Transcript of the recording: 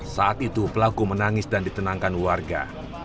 saat itu pelaku menangis dan ditenangkan warga